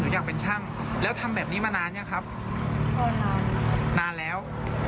อ๋ออยากเป็นช่างแล้วทำแบบนี้มานานเนี้ยครับนานแล้ว